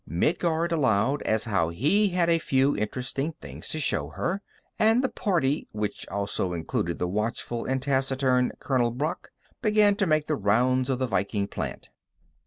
Midguard allowed as how he had a few interesting things to show her, and the party, which also included the watchful and taciturn Colonel Brock, began to make the rounds of the Viking plant.